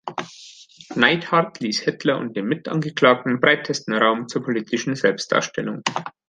Neithardt ließ Hitler und den Mitangeklagten breitesten Raum zur politischen Selbstdarstellung.